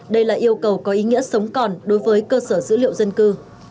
đây là yêu cầu có ý nghĩa sống còn đối với cơ sở dữ liệu dân cư